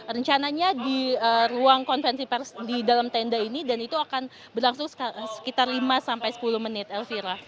rencananya di ruang konvensi pers di dalam tenda ini dan itu akan berlangsung sekitar lima sampai sepuluh menit elvira